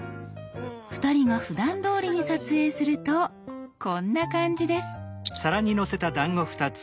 ２人がふだんどおりに撮影するとこんな感じです。